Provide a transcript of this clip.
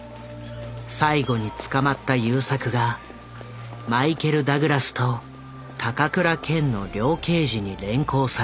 最後に捕まった優作がマイケル・ダグラスと高倉健の両刑事に連行される大阪府警のシーン。